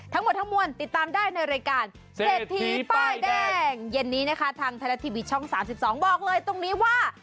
ทั้งหมดทั้งมวลติดตามได้ในรายการเศรษฐีป้ายแดงเย็นนี้นะคะทางไทยรัฐทีวีช่อง๓๒บอกเลยตรงนี้ว่า